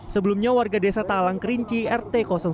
sebelumnya warga desa talang kerinci rt satu